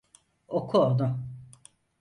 Oku onu.